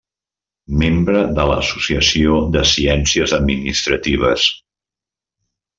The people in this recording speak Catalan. Membre de l'Associació de Ciències Administratives.